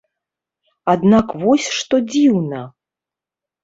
Аднак вось што дзіўна.